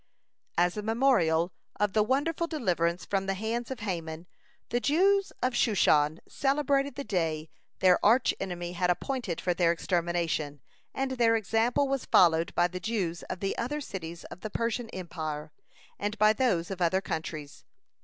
(192) As a memorial of the wonderful deliverance from the hands of Haman, the Jews of Shushan celebrated the day their arch enemy had appointed for their extermination, and their example was followed by the Jews of the other cities of the Persian empire, and by those of other countries.